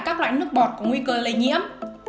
các loại nước bọt có nguy cơ lây nhiễm